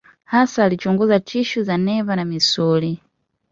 Hasa alichunguza tishu za neva na misuli.